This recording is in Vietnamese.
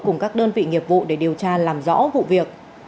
cùng các đơn vị nghiệp vụ để điều tra làm rõ vụ việc